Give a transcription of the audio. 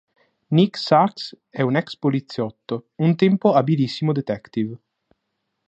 Nick Sax è un ex poliziotto, un tempo abilissimo detective.